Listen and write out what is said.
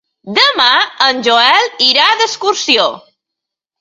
Demà en Joel irà d'excursió.